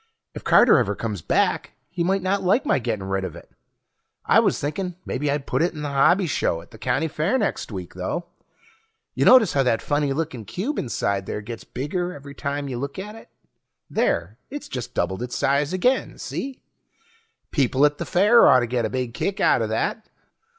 If Carter ever comes back he might not like my getting rid of it. I was thinking mebbe I'd put it in the hobby show at the county fair next week, though. Ya notice how that funny looking cube inside there gets bigger every time you look at it? There ... it just doubled its size again, see? People at the fair oughtta get a big kick outta that.